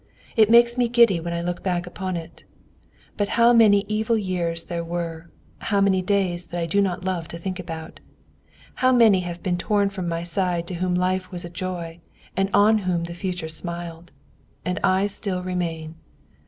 It makes me giddy when I look back upon it. But how many evil years there were, how many days that I do not love to think about! How many have been torn from my side to whom life was a joy and on whom the future smiled! And I still remain!